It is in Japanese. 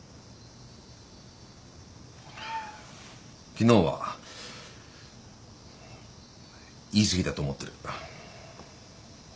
昨日は言い過ぎたと思ってる。